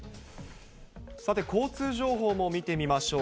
さて、交通情報も見てみましょう。